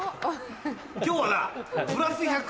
今日はな。